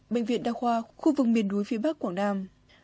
bệnh viện đa khoa khu vực miền núi phía bắc quảng nam